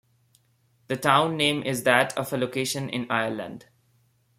The town name is that of a location in Ireland.